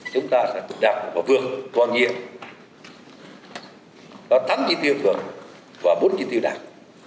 chúng ta sẽ đạt và vượt toàn nhiệm có năm chỉ tiêu vượt và bốn chỉ tiêu đạt